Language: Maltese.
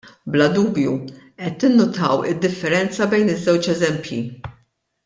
Bla dubju qed tinnutaw id-differenza bejn iż-żewġ eżempji.